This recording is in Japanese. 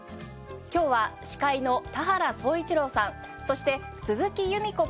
今日は司会の田原総一朗さんそして鈴木裕美子